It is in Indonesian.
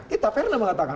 kita pernah mengatakan